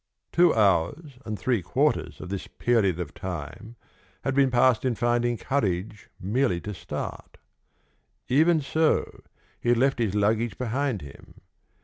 Two hours and three quarters of this period of time had been passed in finding courage merely to start. Even so, he had left his luggage behind him.